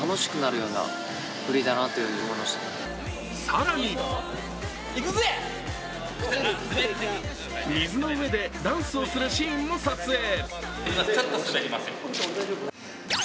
更に水の上でダンスするシーンも撮影。